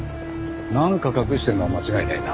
なんか隠してるのは間違いねえな。